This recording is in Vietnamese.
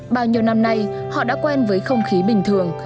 bao nhiêu năm nay họ đã quen với không khí bình thường